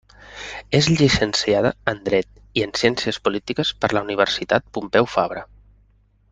És llicenciada en Dret i en Ciències Polítiques per la Universitat Pompeu Fabra.